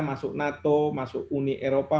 masuk nato masuk uni eropa